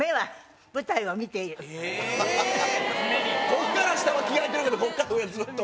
ここから下は着替えてるけどここから上はずっと。